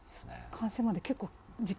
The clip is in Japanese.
完成まで結構時間？